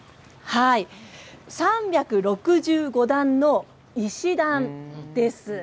３６５段の石段です。